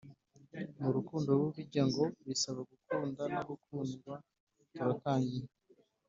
murukundo bury a ngo bisaba gukunda no gukundwa turatangiye